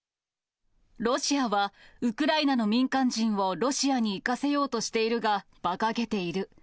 ロシアはウクライナの民間人をロシアに行かせようとしているが、ばかげている。